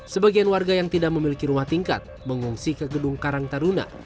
sebagian warga yang tidak memiliki rumah tingkat mengungsi ke gedung karang taruna